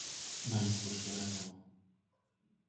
Mají zploštělé tělo.